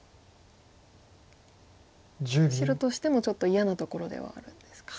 白としてもちょっと嫌なところではあるんですか。